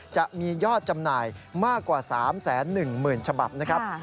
จะมียอดจำหน่ายมากกว่า๓๑๐๐๐ฉบับนะครับ